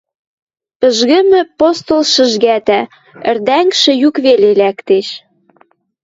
пӹжгӹмӹ постол шӹжгӓтӓ, ӹрдӓнгшӹ юк веле лӓктеш...